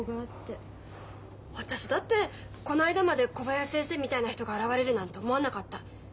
私だってこの間まで小林先生みたいな人が現れるなんて思わなかった。